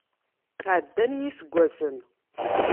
Ɛeddan yiseggasen.